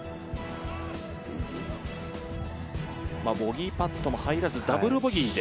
ボギーパットも入らず、ダブルボギーで。